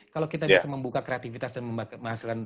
kalau kita bisa membuka kreativitas dan menghasilkan